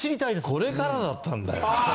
これからだったんだよ。